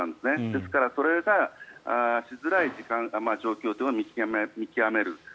ですからそれがしづらい時間、状況を見極める。